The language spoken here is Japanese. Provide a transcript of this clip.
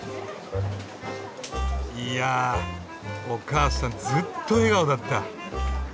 いやおかあさんずっと笑顔だった。